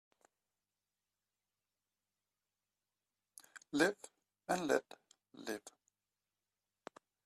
Live and let live